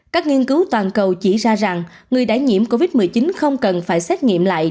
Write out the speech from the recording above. các nghiên cứu toàn cầu chỉ ra rằng người đã nhiễm covid một mươi chín không cần phải xét nghiệm lại